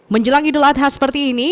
menjelang idul adha seperti ini